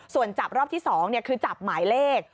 ส่วนจับรอบที่๒คือจับหมายเลข